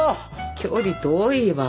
距離遠いわ。